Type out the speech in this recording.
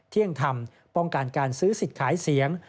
เที่ยงธรรมป้องกันการซื้อสิทธิ์ขายเสียง